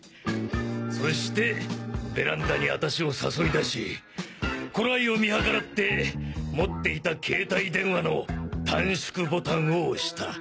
そしてベランダに私を誘い出し頃合いを見計らって持っていた携帯電話の短縮ボタンを押した。